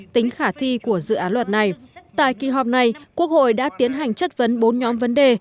tính khả thi của dự án luật này tại kỳ họp này quốc hội đã tiến hành chất vấn bốn nhóm vấn đề